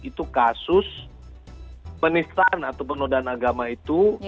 itu kasus penistan atau penundaan agama itu